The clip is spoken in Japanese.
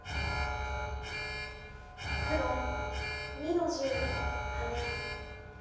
黒２の十ハネ。